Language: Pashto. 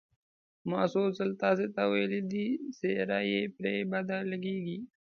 ما څو ځل تاسې ته ویلي دي، څېره یې پرې بده لګېږي.